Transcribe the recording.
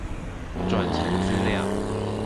轉成資料